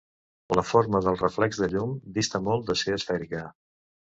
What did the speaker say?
La forma del reflex de llum dista molt de ser esfèrica.